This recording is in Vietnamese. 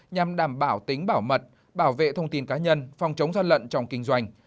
nhằm đảm bảo tính bảo mật bảo vệ thông tin cá nhân phòng chống gian lận trong kinh doanh